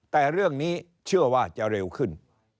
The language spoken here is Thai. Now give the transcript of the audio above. แต่เรื่องนี้เชื่อว่าจะเร็วขึ้น